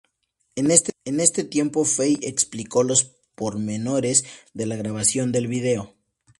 En ese tiempo Fey explico los pormenores de la grabación del vídeo.